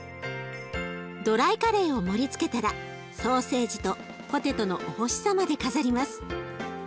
ドライカレーを盛りつけたらソーセージとポテトのお星様で飾ります。